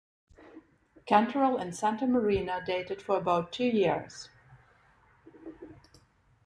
Cantoral and Santamarina dated for about two years.